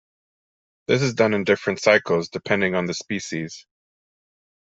This is done in different cycles, depending on the species.